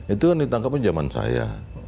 itu kan ditangkapnya zaman saya